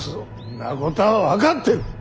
んなことは分かってる！